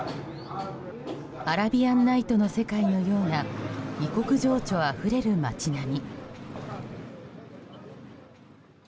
アラビアンナイトの世界のような異国情緒あふれる街並み。